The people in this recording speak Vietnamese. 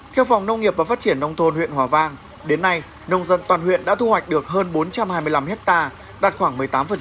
theo phòng nông nghiệp và phát triển nông thôn huyện hòa vang đến nay nông dân toàn huyện đã thu hoạch được hơn bốn trăm hai mươi năm hectare đạt khoảng một mươi tám